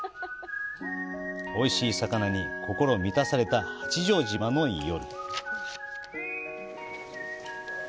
おいしい魚に心満たされた八丈島の夜。